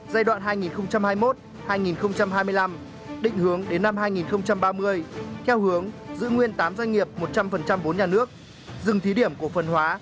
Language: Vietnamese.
giai đoạn hai nghìn hai mươi một hai nghìn hai mươi năm định hướng đến năm hai nghìn ba mươi theo hướng giữ nguyên tám doanh nghiệp một trăm linh vốn nhà nước dừng thí điểm cổ phần hóa